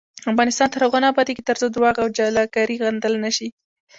افغانستان تر هغو نه ابادیږي، ترڅو درواغ او جعلکاری غندل نشي.